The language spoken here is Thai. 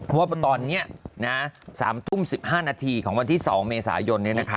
เพราะว่าตอนนี้๓ทุ่ม๑๕นาทีของวันที่๒เมษายน